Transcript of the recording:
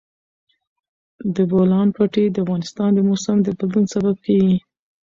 د بولان پټي د افغانستان د موسم د بدلون سبب کېږي.